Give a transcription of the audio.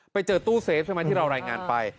ไปเจอตู้เซฟว่าเรารายงานไป